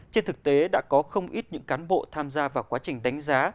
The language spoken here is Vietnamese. trên thực tế đã có không ít những cán bộ tham gia vào quá trình đánh giá